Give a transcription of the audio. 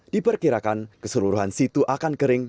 diperkirakan keseluruhan situ akan kering